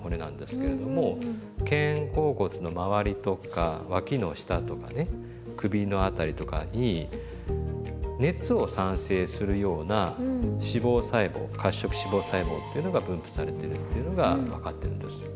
肩甲骨のまわりとか脇の下とかね首の辺りとかに熱を産生するような脂肪細胞「褐色脂肪細胞」っていうのが分布されてるっていうのが分かってるんですよ。